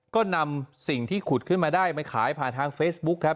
ก็นำสิ่งที่ขุดขึ้นมาได้มาขายผ่านทางเฟซบุ๊คครับ